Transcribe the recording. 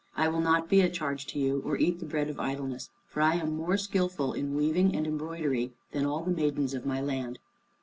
I will not be a charge to you, or eat the bread of idleness, for I am more skilful in weaving and embroidery than all the maidens of my land."